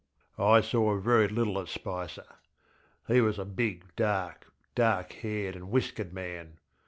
I saw very little of Spicer. He was a big, dark, dark haired and whiskered man.